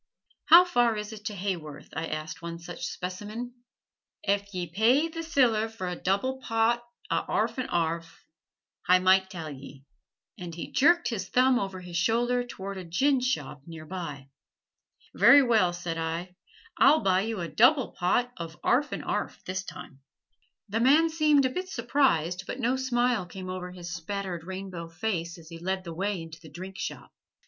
"How far is it to Haworth?" I asked one such specimen. "Ef ye pay th' siller for a double pot a' 'arf and 'arf. Hi might tell ye"; and he jerked his thumb over his shoulder toward a ginshop near by. "Very well," said I; "I'll buy you a double pot of 'arf and 'arf, this time." The man seemed a bit surprised, but no smile came over his spattered rainbow face as he led the way into the drink shop.